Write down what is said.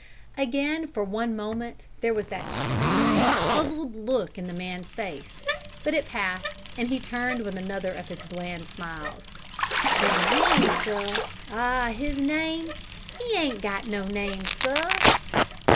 Again for one moment there was that strange, puzzled look in the man's face, but it passed, and he turned with another of his bland smiles. "His name, sir? Ah, his name? He ain't got no name, sir!"